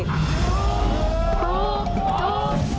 ถูก